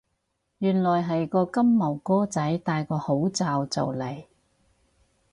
原來係個金毛哥仔戴個口罩就嚟